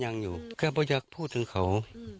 ก็ยังอยู่ก็ไม่อยากพูดถึงเขา